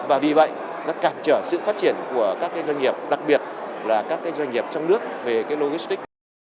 và vì vậy nó cản trở sự phát triển của các doanh nghiệp đặc biệt là các doanh nghiệp trong nước về logistics